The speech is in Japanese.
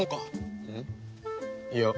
いや。